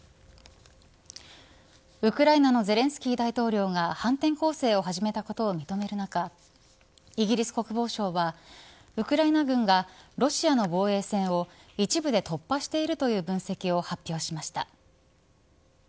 ウクライナのゼレンスキー大統領が反転攻勢を始めたことを認める中イギリス国防省はウクライナ軍がロシアの防衛線を一部で突破しているとの分析を発表しました。